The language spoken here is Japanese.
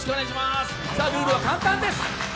ルールは簡単です。